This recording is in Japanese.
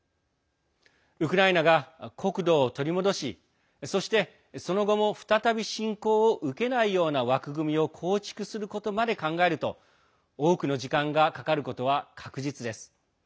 ウクライナが国土を取り戻しそして、その後も再び侵攻を受けないような枠組みを構築することまで考えると多くの時間がかかることは確実です。